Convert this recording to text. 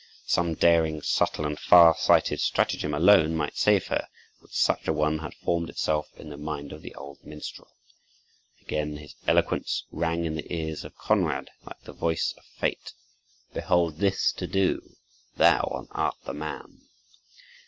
Some daring, subtle, and far sighted stratagem alone might save her; and such a one had formed itself in the mind of the old minstrel. Again his eloquence rang in the ears of Konrad, like the voice of fate, "Behold, this is to do! Thou art the man!"